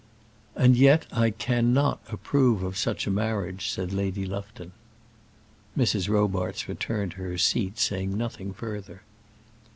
"And yet I cannot approve of such a marriage," said Lady Lufton. Mrs. Robarts returned to her seat, saying nothing further.